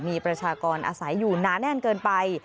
มีประชากรอาศัยอยู่หนาแน่นเกินไป